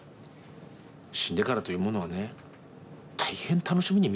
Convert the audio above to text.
死んでからというものはね大変楽しみに見てます。